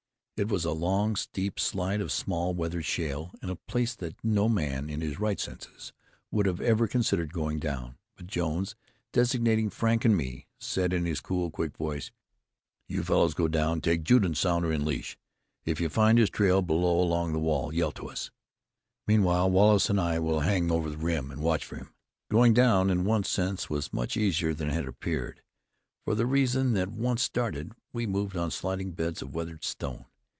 It was a long, steep slide of small, weathered shale, and a place that no man in his right senses would ever have considered going down. But Jones, designating Frank and me, said in his cool, quick voice: "You fellows go down. Take Jude and Sounder in leash. If you find his trail below along the wall, yell for us. Meanwhile, Wallace and I will hang over the rim and watch for him." Going down, in one sense, was much easier than had appeared, for the reason that once started we moved on sliding beds of weathered stone.